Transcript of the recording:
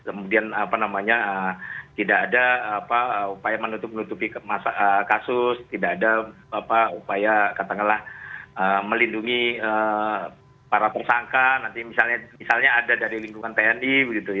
kemudian tidak ada upaya menutupi kasus tidak ada upaya melindungi para pengsangka misalnya ada dari lingkungan tni